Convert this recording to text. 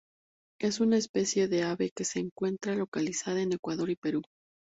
Es una especie de ave que se encuentra localizada en Ecuador y Perú.